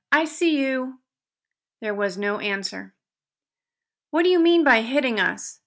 "I see you!" There was no answer. "What do you mean by hitting us?"